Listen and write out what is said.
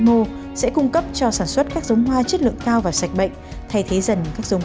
mô sẽ cung cấp cho sản xuất các giống hoa chất lượng cao và sạch bệnh thay thế dần các giống